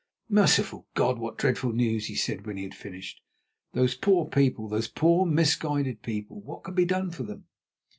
"Merciful God, what dreadful news!" he said when he had finished. "Those poor people! those poor, misguided people! What can be done for them?"